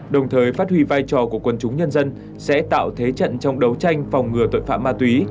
đồng thời phát huy vai trò của quân chúng nhân dân sẽ tạo thế trận trong đấu tranh phòng ngừa tội phạm ma túy